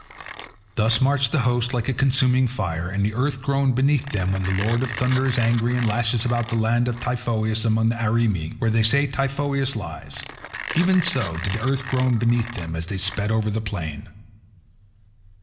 Thus marched the host like a consuming fire, and the earth groaned beneath them when the lord of thunder is angry and lashes the land about Typhoeus among the Arimi, where they say Typhoeus lies. Even so did the earth groan beneath them as they sped over the plain.